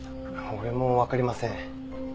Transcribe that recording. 俺もわかりません。